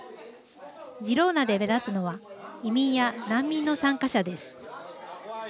ジローナで目立つのは移民や難民の参加者です。